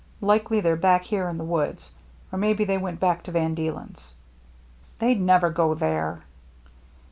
Likely they're back here in the woods. Or maybe they went back to Van Deelen's." " They'd never go there."